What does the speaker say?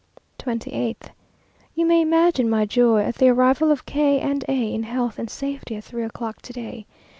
28th. You may imagine my joy at the arrival of K and A in health and safety at three o'clock to day.